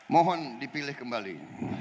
mohon dipilih kembali